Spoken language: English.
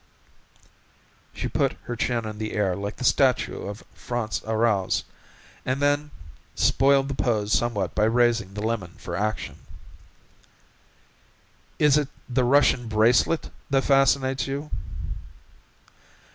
She put her chin in the air like the statue of France Aroused, and then spoiled the pose somewhat by raising the lemon for action. "Is it the Russian bracelet that fascinates you?"